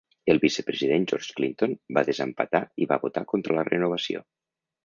El vicepresident George Clinton va desempatar i va votar contra la renovació.